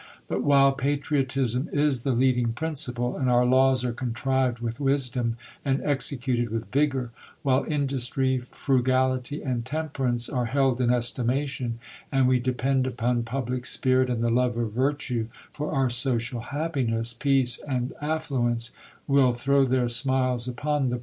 But while patriotism is the leading principle, and our laws are contrived with wisdom, and executed with vigour; while industry, frugality and temperance, are held in estimation, and we depend upon public spirit and the love of virtue for our social happiness, peace and affluence will throw their smiles upon the bro.